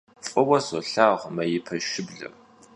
F'ıue solhağur maipe şıbler.